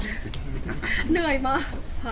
เหนื่อยมาก